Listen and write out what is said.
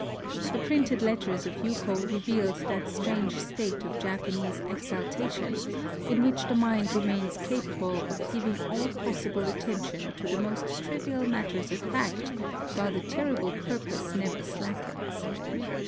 The printed letters of Yuko revealed that strange state of Japa nese exaltation in which the mind remains 76 NOTES OF A' TRIP TO KYOTO capable of giving all possible attention to the most trivial matters of fact, while the terrible purpose never slackens.